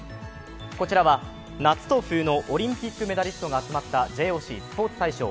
こちらは夏と冬のオリンピックメダリストが集まったＪＯＣスポーツ大賞。